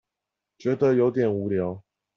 覺得有點無聊